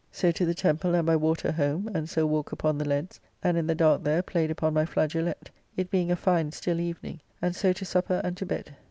So to the Temple and by water home, and so walk upon the leads, and in the dark there played upon my flageolette, it being a fine still evening, and so to supper and to bed.